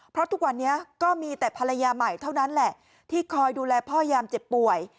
เพราะทุกวันนี้ก็มีแต่ภรรยาใหม่เท่านั้นแหละที่คอยดูแลพ่อยามเจ็บป่วย